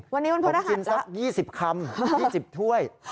วันนี้วันพฤหัสกินสัก๒๐คำ๒๐ถ้วย